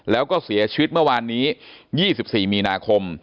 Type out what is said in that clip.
แล้วก็เสียชีวิตเมื่อวานนี้๒๔มีนาคม